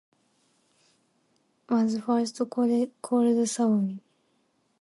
Sawfish was first called Sawmill.